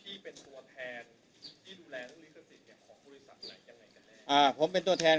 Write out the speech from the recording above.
อย่างไรกันนี้ครับประกวมแล้วที่เป็นตัวแทนที่ดูแล